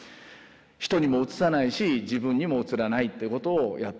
人にもうつさないし自分にもうつらないってことをやった。